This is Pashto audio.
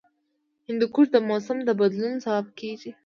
هندوکش د موسم د بدلون سبب کېږي.